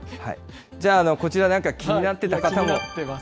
じゃあ、こちらなんか気になってた方も。